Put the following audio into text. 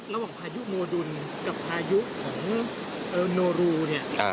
ระหว่างพายุโมดุลกับพายุของเอ่อเนอรูเนี่ยอ่า